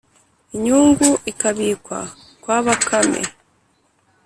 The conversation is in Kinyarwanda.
inyungu ikabikwa kwa bakame